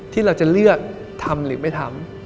ที่เราจะเลือกทำหรือไม่ทำ